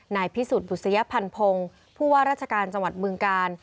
นายพิสูจน์บุษยภัณฑ์พงศ์ผู้ว่าราชการจังหวัดเบื้องกาล